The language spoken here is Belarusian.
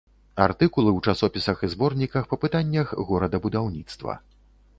Артыкулы ў часопісах і зборніках па пытаннях горадабудаўніцтва.